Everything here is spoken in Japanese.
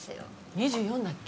２４だっけ？